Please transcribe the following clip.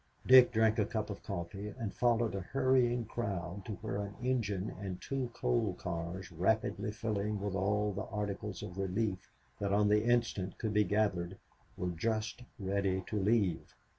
Dick drank a cup of coffee and followed a hurrying crowd to where an engine and two coal cars rapidly filling with all the articles of relief that on the instant could be gathered, were just ready to leave.